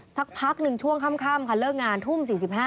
สักพักหนึ่งช่วงค่ำค่ะเลิกงานทุ่ม๔๕